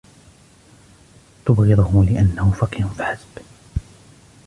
تبغضه لأنه فقير فحسب.